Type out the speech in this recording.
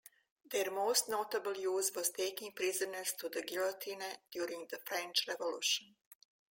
Their most notable use was taking prisoners to the guillotine during the French Revolution.